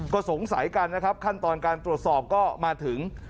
ก็สงสัยกันนะครับขั้นตอนการตรวจสอบก็มาถึง